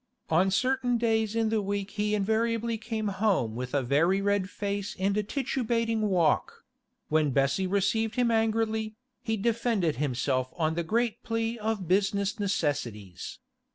On certain days in the week he invariably came home with a very red face and a titubating walk; when Bessie received him angrily, he defended himself on the great plea of business necessities.